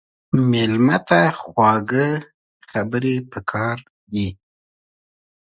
مېلمه ته خواږه خبرې پکار دي.